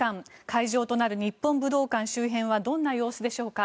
会場となる日本武道館周辺はどんな様子でしょうか。